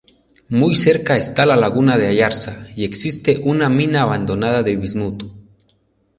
Muy cerca está la laguna de Ayarza y existe una mina abandonada de bismuto.